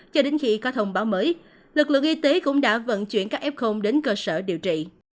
cho đến khi có thông báo mới lực lượng y tế cũng đã vận chuyển các f đến cơ sở điều trị